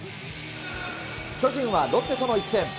巨人はロッテとの一戦。